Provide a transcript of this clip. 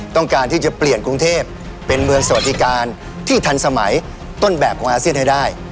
ต้องการที่จะเปลี่ยนกรุงเทพเป็นเมืองสวัสดิการที่ทันสมัยต้นแบบของอาเซียนให้ได้